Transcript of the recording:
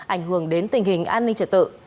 ảnh hưởng đến tình hình an ninh trật tự